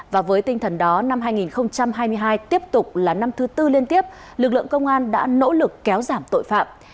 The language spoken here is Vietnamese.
và với tinh thần đó năm hai nghìn hai mươi hai tiếp tục là năm thứ tư liên tiếp lực lượng công an đã nỗ lực kéo giảm tội phạm